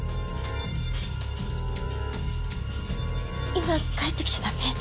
今帰ってきちゃダメ！